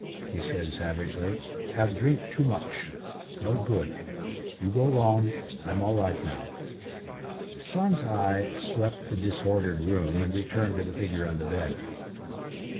he said savagely. "Have drink too much. No good. You go 'long, I'm all right now." Tsang's eye swept the disordered room and returned to the figure on the bed.